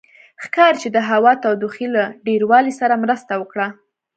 ښکاري چې د هوا تودوخې له ډېروالي سره مرسته وکړه.